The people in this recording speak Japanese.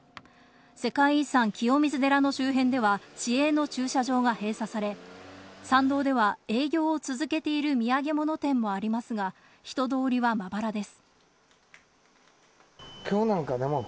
世界遺産・清水寺の周辺では市営の駐車場が閉鎖され、参道では営業を続けている土産物店もありますが、人通りはまばらです。